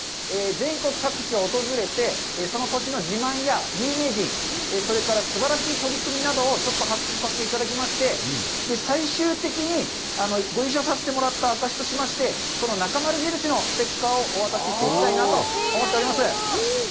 全国各地を訪れて、その土地の自慢や有名人、それから、すばらしい取り組みなどをちょっと発掘させていただきまして、最終的にご一緒させてもらったあかしとしてこの「なかまる印」のステッカーをお渡ししていきたいなと思っております。